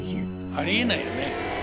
ありえないよね。